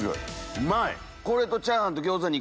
うまい！